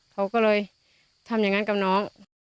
เขาก็เลยทำอย่างนั้นกับน้อง